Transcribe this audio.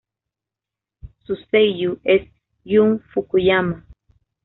Su seiyū es Jun Fukuyama.